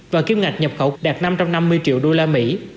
và kiếm ngạch nhập khẩu đạt năm trăm năm mươi triệu usd